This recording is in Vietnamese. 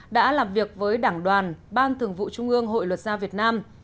đã làm việc với đảng đoàn ban thường vụ trung ương hội luật gia việt nam